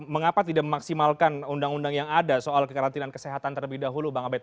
mengapa tidak memaksimalkan undang undang yang ada soal kekarantinaan kesehatan terlebih dahulu bang abed